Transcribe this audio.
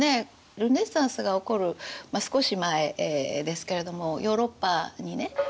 ルネサンスが起こる少し前ですけれどもヨーロッパにねペスト